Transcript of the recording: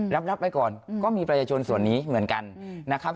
รับไว้ก่อนก็มีประชาชนส่วนนี้เหมือนกันนะครับ